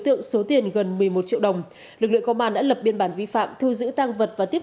tượng số tiền gần một mươi một triệu đồng lực lượng công an đã lập biên bản vi phạm thu giữ tăng vật và tiếp